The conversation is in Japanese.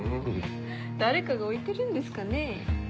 誰かが置いてるんですかねぇ。